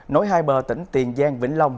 nối hai bờ tỉnh tiền giang vĩnh long